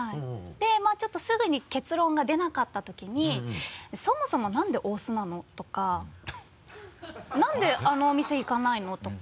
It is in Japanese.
でまぁちょっとすぐに結論が出なかったときに「そもそもなんで大須なの？」とか「なんであのお店行かないの？」とか。